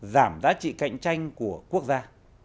giảm giá trị cạnh tranh của quốc gia